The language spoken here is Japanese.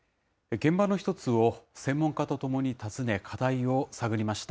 現場の一つを専門家と共に訪ね、課題を探りました。